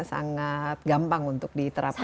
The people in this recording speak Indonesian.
sangat gampang untuk diterapkan